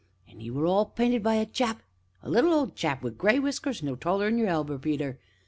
An' 'e were all painted by a chap a little old chap wi' gray whiskers no taller 'n your elber, Peter!